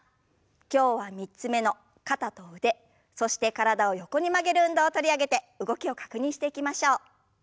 今日は３つ目の肩と腕そして体を横に曲げる運動を取り上げて動きを確認していきましょう。